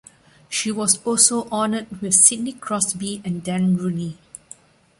She was also honored with Sidney Crosby and Dan Rooney.